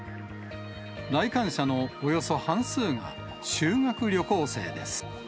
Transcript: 来館者のおよそ半数が修学旅